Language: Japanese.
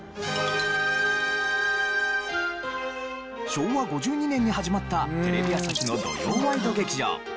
昭和５２年に始まったテレビ朝日の土曜ワイド劇場。